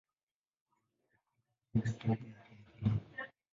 Aliendelea kutunga pia vitabu na tamthiliya.